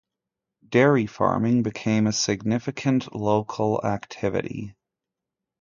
Dairy farming became a significant local activity.